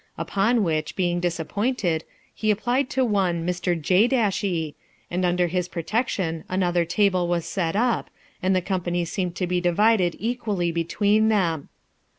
Upon which, being disappointed, he applied to one, Mr. J e, and under his protection another table was set up, and the company seemed to be divided equally between them.